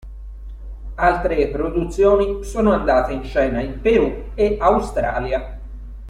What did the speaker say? Altre produzioni sono andate in scena in Perù e Australia.